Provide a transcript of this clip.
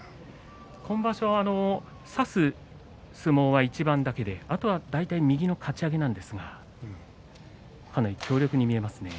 今場所は差す相撲は一番だけで、あとは大体右のかち上げなんですがかなり強力に見えますね。